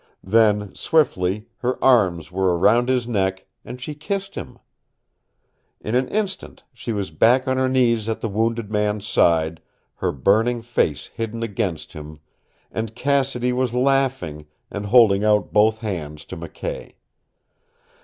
Then, swiftly, her arms were around his neck, and she kissed him. In an instant she was back on her knees at the wounded man's side, her burning face hidden against him, and Cassidy was laughing, and holding out both hands to McKay.